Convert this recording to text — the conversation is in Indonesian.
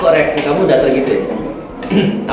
kok reaksi kamu datar gitu ya